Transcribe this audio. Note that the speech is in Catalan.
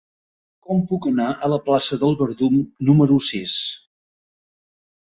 Com puc anar a la plaça del Verdum número sis?